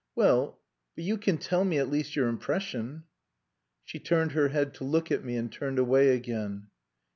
"Well but you can tell me at least your impression." She turned her head to look at me, and turned away again.